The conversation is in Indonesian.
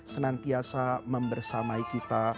senantiasa membersamai kita